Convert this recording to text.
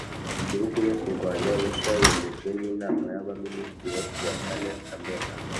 Igihugu yo Kurwanya Ruswa yemejwe n Inama y Abaminisitiri yo ku wa kane kamena